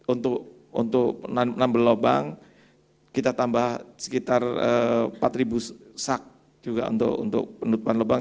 untuk menambah lobang kita tambah sekitar empat ribu sak juga untuk penutupan lobang